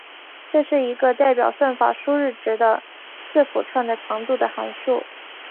这是一个代表算法输入值的字符串的长度的函数。